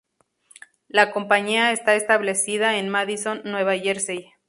La compañía está establecida en Madison, Nueva Jersey.